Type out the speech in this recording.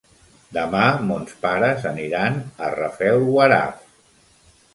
Demà mons pares aniran a Rafelguaraf.